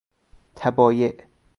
تبایع